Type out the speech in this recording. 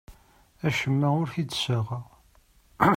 Acemma ur t-id-ssaɣeɣ.